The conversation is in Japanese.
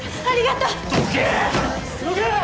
ありがとう！どけ！